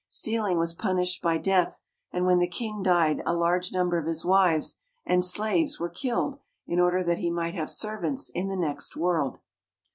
Stealing was punished by death, and when the king died a large number of his wives and slaves were killed in order that he might have servants in the next world.